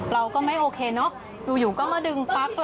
เราก็ไม่โอเคเนอะอยู่ก็มาดึงปั๊กเราออกเนอะ